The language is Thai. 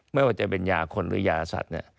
ไม่ว่าจะเป็นยาคนหรือยาสัตว์